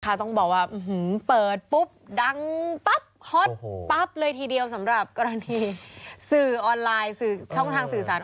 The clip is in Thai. ต้องบอกว่าเปิดปุ๊บดังปั๊บฮอตปั๊บเลยทีเดียวสำหรับกรณีสื่อออนไลน์สื่อช่องทางสื่อสาร